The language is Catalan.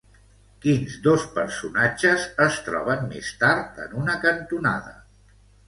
Quins dos personatges es troben més tard en una cantonada?